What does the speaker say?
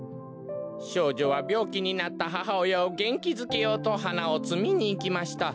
しょうじょはびょうきになったははおやをげんきづけようとはなをつみにいきました。